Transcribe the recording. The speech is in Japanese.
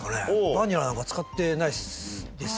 バニラなんか使ってないですよね。